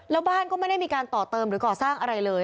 แล้วบ้านก็ไม่ได้มีการต่อเติมหรือก่อสร้างอะไรเลย